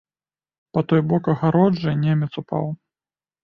Па той бок агароджы немец упаў.